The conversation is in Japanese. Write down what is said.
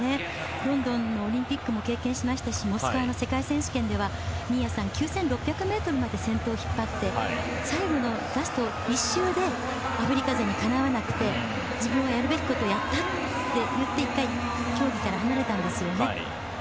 ロンドンのオリンピックも経験しましたしモスクワの世界選手権では新谷さん９６００ｍまで先頭を引っ張って最後のラスト１周でアフリカ勢にかなわなくて自分はやるべきことをやったって言って１回競技から離れたんですよね。